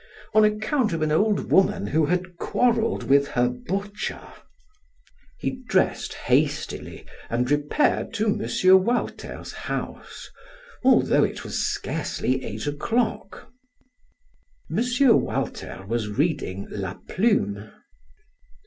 On account of an old woman who had quarreled with her butcher. He dressed hastily and repaired to M. Walter's house, although it was scarcely eight o'clock. M. Walter was reading "La Plume."